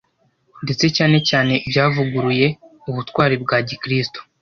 ndetse cyane cyane byavuguruye ubutwari bwa gikristo.